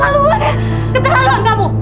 bapak mau kebetulan kamu